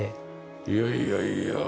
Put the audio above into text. いやいやいやあ。